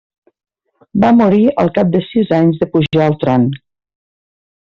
Va morir al cap de sis anys de pujar al tron.